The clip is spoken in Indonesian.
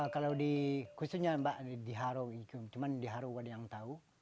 kalau di khususnya diharu cuma diharu orang yang tahu